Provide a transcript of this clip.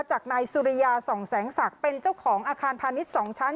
จากนายสุริยาส่องแสงศักดิ์เป็นเจ้าของอาคารพาณิชย์๒ชั้น